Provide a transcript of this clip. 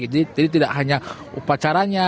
jadi tidak hanya upacaranya